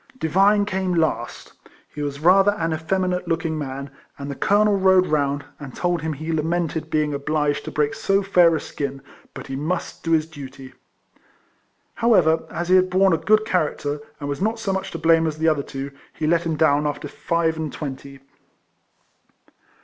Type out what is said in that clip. Divine came last. He was rather an effem inate looking man; and the colonel rode round, and told him he lamented being oblio ed to break so fair a skin ; but he must KTFLEMAN HARRIS. 127 do his duty. However, as he had borne a good character, and was not so much to blame as the other two, he let him down after five and twenty.